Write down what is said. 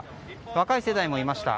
若い世代もいました。